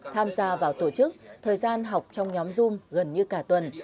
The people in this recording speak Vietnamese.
tham gia vào tổ chức thời gian học trong nhóm zoom gần như cả tuần